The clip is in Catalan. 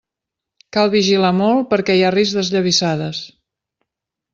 Cal vigilar molt perquè hi ha risc d'esllavissades.